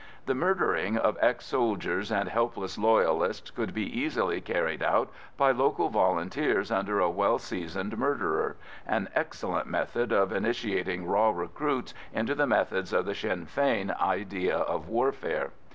The murdering of ex soldiers and helpless Loyalists could be easily carried out by local Volunteers under a well seasoned murderer—an excellent method of initiating raw recruits into the methods of the Sinn Fein idea of warfare.